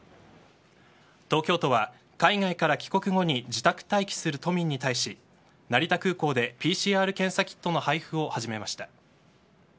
東京都は海外から帰国後に自宅待機する都民に対し成田空港でＰＣＲ検査キットの配布を始めました。